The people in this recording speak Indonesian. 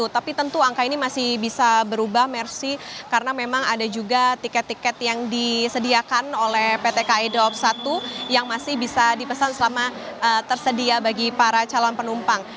tapi tentu angka ini masih bisa berubah mersi karena memang ada juga tiket tiket yang disediakan oleh pt ki daop satu yang masih bisa dipesan selama tersedia bagi para calon penumpang